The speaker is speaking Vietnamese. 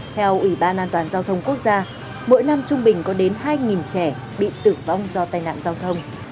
theo ủy ban an toàn giao thông quốc gia mỗi năm trung bình có đến hai trẻ bị tử vong do tai nạn giao thông